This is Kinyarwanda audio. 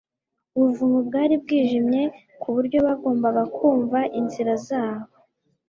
ubuvumo bwari bwijimye kuburyo bagombaga kumva inzira zabo